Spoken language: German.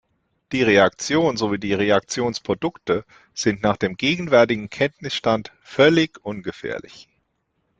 Die Reaktion sowie die Reaktionsprodukte sind nach dem gegenwärtigen Kenntnisstand völlig ungefährlich.